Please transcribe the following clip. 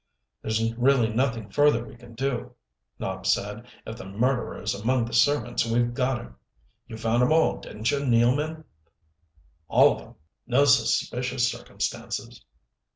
"There's really nothing further we can do," Nopp said. "If the murderer is among the servants we've got him you found 'em all, didn't you, Nealman?" "All of 'em. No suspicious circumstances."